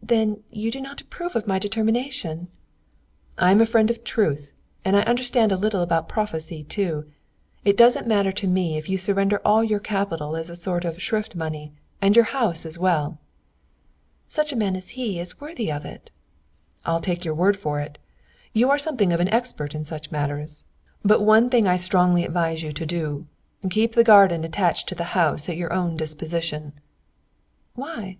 "Then you do not approve of my determination?" "I am a friend of truth, and I understand a little about prophecy too. It doesn't matter to me if you surrender all your capital as a sort of shrift money, and your house as well." "Such a man as he is worthy of it." "I'll take your word for it. You are something of an expert in such matters! But one thing I strongly advise you to do: keep the garden attached to the house at your own disposition." "Why?"